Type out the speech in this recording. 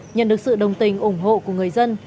nhận được sự đồng tình ủng hộ của người dân